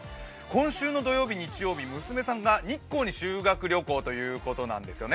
今週の土曜日、日曜日娘さんが日光に修学旅行ということなんですよね。